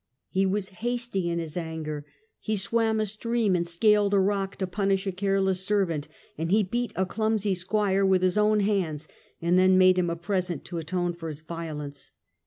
He was hasty in his anger: he swam a stream and scaled a rock to punish a careless servant, and he beat a clumsy squire with his own hands, and then made him a present to atone for his violence.